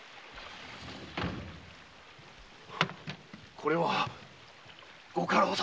これはご家老様！